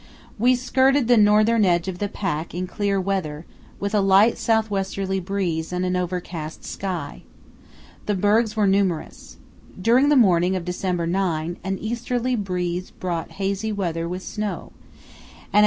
We skirted the northern edge of the pack in clear weather with a light south westerly breeze and an overcast sky. The bergs were numerous. During the morning of December 9 an easterly breeze brought hazy weather with snow, and at 4.